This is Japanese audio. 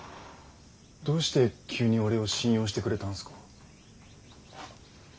どうして急に俺を信用してくれたんすか？